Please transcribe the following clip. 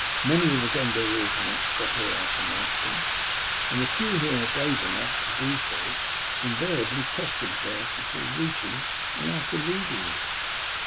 Many of the gondoliers will not stop here after nightfall, and the few who are brave enough to do so, invariably cross themselves before reaching, and after leaving it."